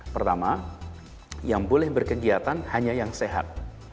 pertama yang boleh berkegiatan hanya yang sehat